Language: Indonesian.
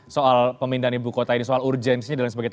soal pemindahan ibu kota ini soal urgensinya dan lain sebagainya